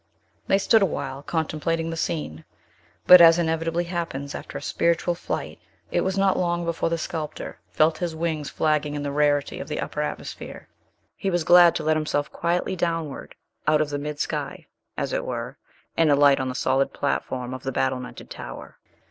They stood awhile, contemplating the scene; but, as inevitably happens after a spiritual flight, it was not long before the sculptor felt his wings flagging in the rarity of the upper atmosphere. He was glad to let himself quietly downward out of the mid sky, as it were, and alight on the solid platform of the battlemented tower.